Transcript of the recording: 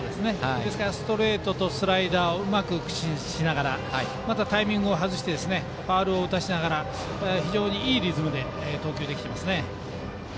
ストレートとスライダーをうまく駆使しながらまたタイミングを外してファウルを打たせながら非常にいいリズムで投球できています。